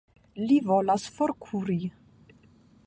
Li volas forkuri.